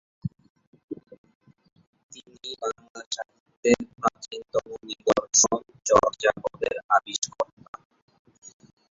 তিনি বাংলা সাহিত্যের প্রাচীনতম নিদর্শন চর্যাপদের আবিষ্কর্তা।